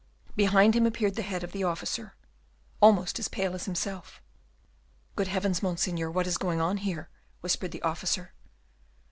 Behind him appeared the head of the officer, almost as pale as himself. "Good heavens, Monseigneur, what is going on there?" whispered the officer.